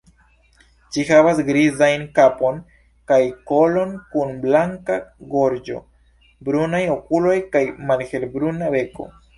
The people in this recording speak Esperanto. Ĝi havas grizajn kapon kaj kolon, kun blanka gorĝo, brunaj okuloj kaj malhelbruna beko.